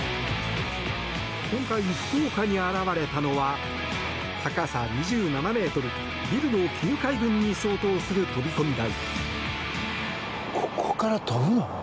今回、福岡に現れたのは高さ２７ｍビルの９階分に相当する飛込台。